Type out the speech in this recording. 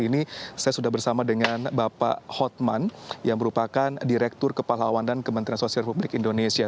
jadi ini saya sudah bersama dengan bapak hotman yang merupakan direktur kepala awanan kementerian sosial republik indonesia